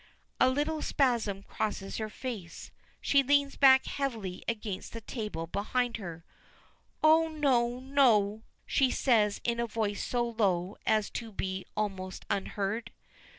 A little spasm crosses her face. She leans back heavily against the table behind her. "Oh, no, no," she says in a voice so low as to be almost unheard.